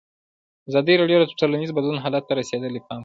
ازادي راډیو د ټولنیز بدلون حالت ته رسېدلي پام کړی.